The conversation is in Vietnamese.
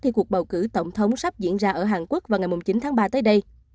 khi cuộc bầu cử tổng thống sắp diễn ra ở hàn quốc vào ngày chín tháng ba tới đây